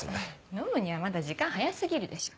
飲むにはまだ時間早過ぎるでしょ。